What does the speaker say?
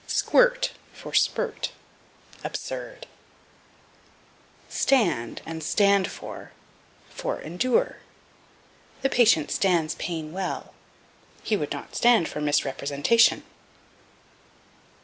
Squirt for Spurt. Absurd. Stand and Stand for for Endure. "The patient stands pain well." "He would not stand for misrepresentation."